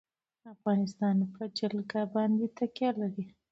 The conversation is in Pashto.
افغانستان په جلګه باندې تکیه لري.